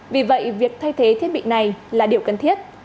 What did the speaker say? vì vậy việc thay thế thiết bị này là điều cần thiết